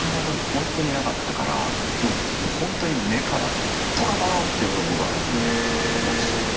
ホントになかったからホントに目からぽろぽろってうろこが落ちて。